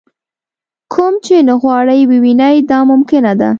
کوم چې نه غواړئ ووینئ دا ممکنه ده.